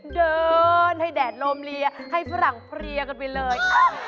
เดินให้แดดโลมเลียให้ฝรั่งเพลียกันไปเลย